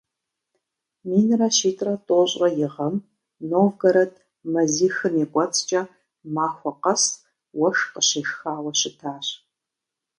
Минрэ щитӏрэ тӏощӏрэ и гъэм Новгород мазихым и кӏуэцӏкӏэ махуэ къэс уэшх къыщешхауэ щытащ.